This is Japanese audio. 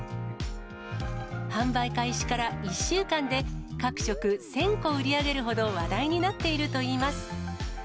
販売開始から１週間で、各色１０００個売り上げるほど、話題になっているといいます。